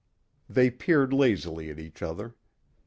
They peered lazily at each other.